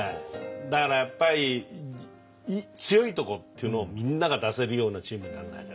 だからやっぱり強いとこっていうのをみんなが出せるようなチームにならなきゃ。